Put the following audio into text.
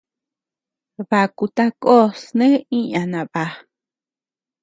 Baku tako sne iña naba.